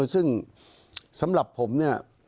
ซึ่งสำหรับผมเนี่ย